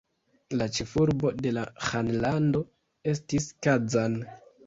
La ĉefurbo de la ĥanlando estis Kazan.